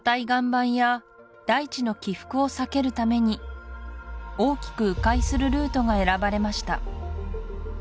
岩盤や大地の起伏を避けるために大きく迂回するルートが選ばれました